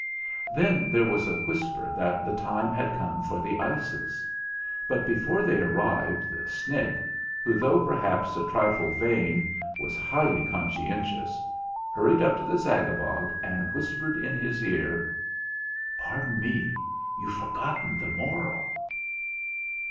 Then there was a whisper that the time had come for the ices; but before they arrived, the Snick, who, though perhaps a little vain, was highly conscientious, hurried up to the Zaga bog and whispered in his ear. "Pardon me; you've forgotten the Moral!"